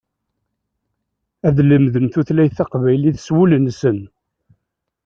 Ad lemden tutlayt taqbaylit s wul-nsen.